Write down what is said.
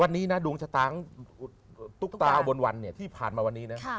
วันนี้นะดวงชะตาของตุ๊กตาบนวันเนี่ยที่ผ่านมาวันนี้นะ